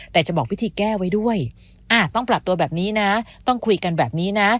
แต่จะบอกพิธีแก้ไว้ด้วยต้องปรับตัวแบบนี้นะต้องคุยกันแบบนี้นะ